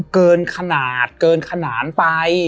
เกินขนาดเกินขนาดไป